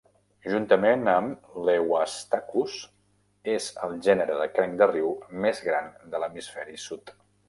Juntament amb l'"Euastacus", és el gènere de cranc de riu més gran de l'hemisferi sud.